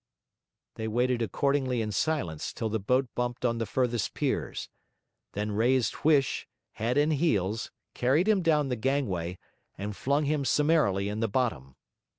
They waited accordingly in silence till the boat bumped on the furthest piers; then raised Huish, head and heels, carried him down the gangway, and flung him summarily in the bottom.